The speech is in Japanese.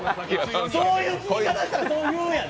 そういう聞き方したらそう言うやんけ。